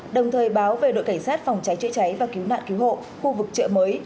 đồng thời báo về đội cảnh sát phòng cháy chữa cháy và cứu nạn cứu hộ khu vực chợ mới